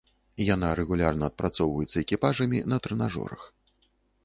Яна рэгулярна адпрацоўваецца экіпажамі на трэнажорах.